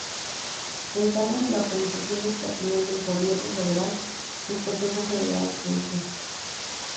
Se encarga de la organización del personal del Gobierno federal, el Consejo Federal suizo.